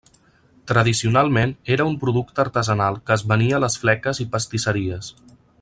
Tradicionalment era un producte artesanal que es venia a les fleques i pastisseries.